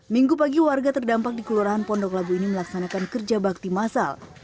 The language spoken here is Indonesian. minggu pagi warga terdampak di kelurahan pondok labu ini melaksanakan kerja bakti masal